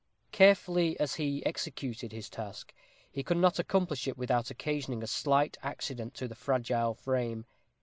Carefully as he executed his task, he could not accomplish it without occasioning a slight accident to the fragile frame.